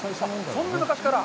そんな昔から？